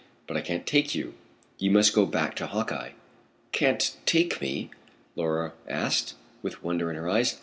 "But I can't take you. You must go back to Hawkeye." "Can't take me?" Laura asked, with wonder in her eyes.